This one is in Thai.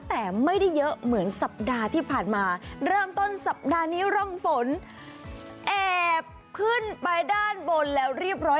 แต่ไม่ได้เยอะเหมือนสัปดาห์ที่ผ่านมาเริ่มต้นสัปดาห์นี้ร่องฝนแอบขึ้นไปด้านบนแล้วเรียบร้อย